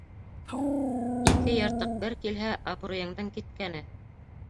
Ике йыртыҡ бер килһә, абруйыңдың киткәне.